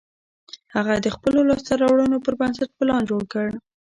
هغه د خپلو لاسته رواړنو پر بنسټ پلان جوړ کړ